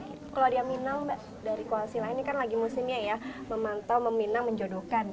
tapi kalau dia minang mbak dari koalisi lah ini kan lagi musimnya ya memantau meminang menjodohkan